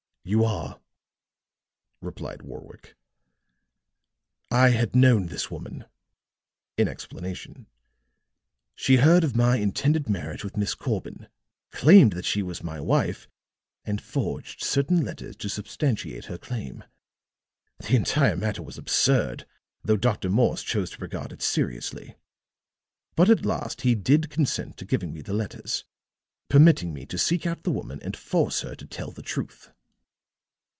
"You are," replied Warwick. "I had known this woman," in explanation. "She heard of my intended marriage with Miss Corbin, claimed that she was my wife and forged certain letters to substantiate her claim. The entire matter was absurd, though Dr. Morse chose to regard it seriously. But at last he did consent to giving me the letters, permitting me to seek out the woman and force her to tell the truth."